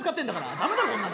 駄目だこんなの！